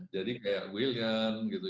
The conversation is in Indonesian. jadi kayak william gitu